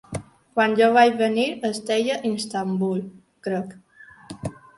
Quan jo vaig venir es deia Istanbul, crec.